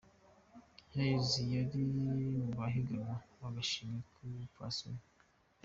Hayes ari mu bahiganirwa agashimwe mu bapfasoni.